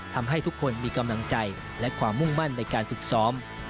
ทำให้ทุกคนมีกำลังใจและความมุ่งมั่นในการฝึกซ้อม